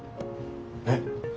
えっ？